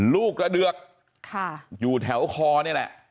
กระเดือกอยู่แถวคอนี่แหละ